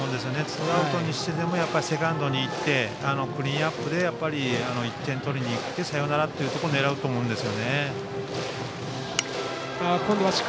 ツーアウトにしてでもセカンドに行ってクリーンナップで１点取りに行ってサヨナラを狙うと思います。